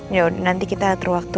ya udah nanti kita terwaktu